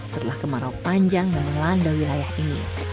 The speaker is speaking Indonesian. setelah kemarau panjang dan melanda wilayah ini